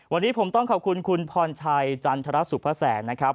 วันนี้ผมต้องขอบคุณคุณพรชัยจันทรสุภาแสงนะครับ